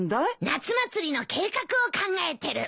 夏祭りの計画を考えてる。